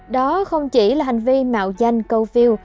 đó không chỉ là hành vi mạo danh câu phiêu